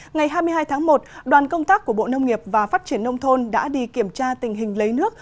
ngày hai mươi hai tháng một đoàn công tác của bộ nông nghiệp và phát triển nông thôn đã đi kiểm tra tình hình lấy nước